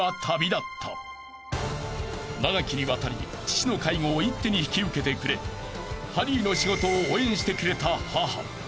［長きにわたり父の介護を一手に引き受けてくれハリーの仕事を応援してくれた母］